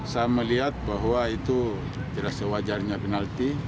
saya melihat bahwa itu tidak sewajarnya penalti